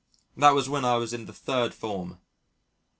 That was when I was in the Third Form.